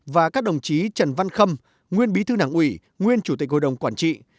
và các đồng chí trần văn khâm nguyên bí thư đảng ủy nguyên chủ tịch hội đồng quản trị